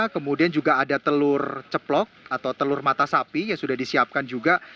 kemudian juga ada telur ceplok atau telur mata sapi yang sudah disiapkan juga